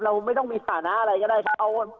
เราไม่ต้องมีฐานะอะไรก็ได้ครับ